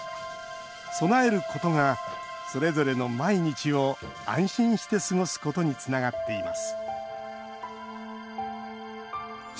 備えることがそれぞれの毎日を安心して過ごすことにつながっています